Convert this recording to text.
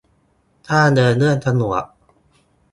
ถ้าเดินเรื่องสะดวก